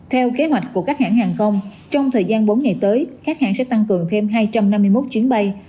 theo kế hoạch của các hãng hàng không trong thời gian bốn ngày tới các hãng sẽ tăng cường thêm hai trăm năm mươi một chuyến bay